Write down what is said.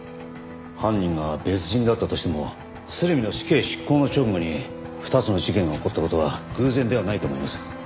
犯人が別人だったとしても鶴見の死刑執行の直後に２つの事件が起こった事は偶然ではないと思います。